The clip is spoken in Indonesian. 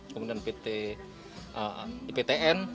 kemudian pt iptn